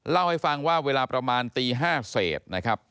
เล่าให้ฟังว่าเวลาประมาณตี๕เศษนะครับ